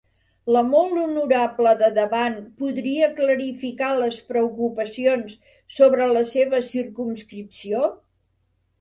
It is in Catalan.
La Molt Honorable de davant podria clarificar les preocupacions sobre la seva circumscripció?